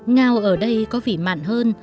ngao ở đây có vị mặn hơn